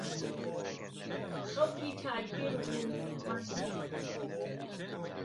خەڵکی تاییفێ بوون، ماندوو بوون